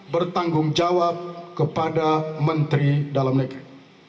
bertanggung jawab kepada menteri dalam negeri